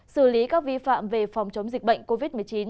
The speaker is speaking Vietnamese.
xử lý các vi phạm về phòng chống dịch bệnh covid một mươi chín